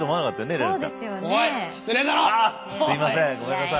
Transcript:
すいませんごめんなさい。